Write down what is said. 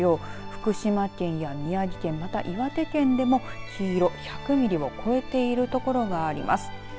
福島県や宮城県また岩手県でも黄色、１００ミリを超えている所があります。